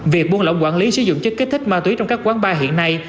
việc buôn lỏng quản lý sử dụng chất kích thích ma túy trong các quán bar hiện nay